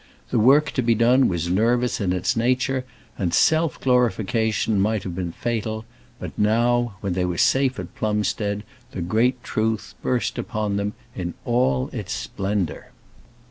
The work to be done was nervous in its nature, and self glorification might have been fatal; but now, when they were safe at Plumstead, the great truth burst upon them in all its splendour.